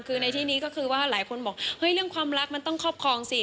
คือในที่นี้ก็คือว่าหลายคนบอกเฮ้ยเรื่องความรักมันต้องครอบครองสิ